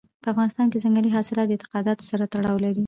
په افغانستان کې ځنګلي حاصلات له اعتقاداتو سره تړاو لري.